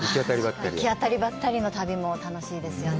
行き当たりばったりの旅も楽しいですよね。